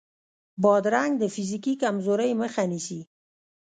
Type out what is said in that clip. بادرنګ د فزیکي کمزورۍ مخه نیسي.